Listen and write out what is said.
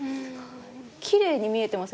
きれいに見えてますね。